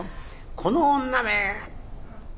『この女め』。